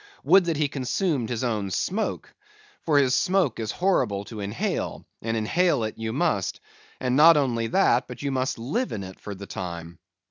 Would that he consumed his own smoke! for his smoke is horrible to inhale, and inhale it you must, and not only that, but you must live in it for the time.